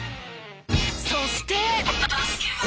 そして。